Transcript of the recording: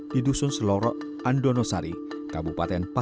di dusun selorok andonosari kabupaten pasukan